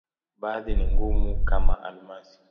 Baadhi ni ngumu, kama almasi.